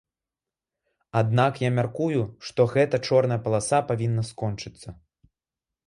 Аднак я мяркую, што гэта чорная паласа павінна скончыцца.